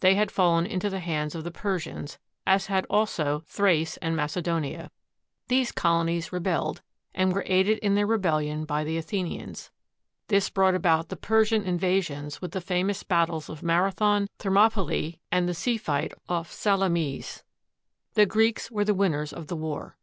They had fallen into the hands of the Persians, as had also Thrace and Macedonia. These colonies rebelled, and were aided in their rebellion by the Athenians. This brought about the Persian invasions with the famous battles of Marathon, Thermopylae, and the sea fight off Salamis. The Greeks were the winners of the war.